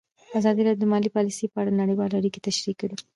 ازادي راډیو د مالي پالیسي په اړه نړیوالې اړیکې تشریح کړي.